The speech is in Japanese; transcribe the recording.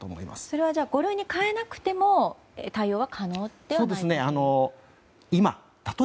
それは５類に変えなくても対応は可能ではないかと。